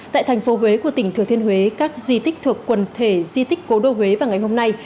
tại thành phố huế của tỉnh thừa thiên huế các di tích thuộc quần thể di tích cố đô huế vào ngày hôm nay